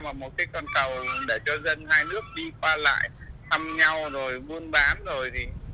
mà một cái con cầu để cho dân hai nước đi qua lại thăm nhau rồi buôn bán rồi